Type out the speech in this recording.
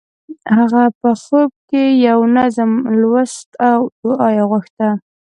هغه په خوب کې یو نظم لوست او دعا یې غوښته